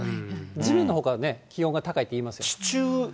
地面のほうがね、気温が高いっていいますから。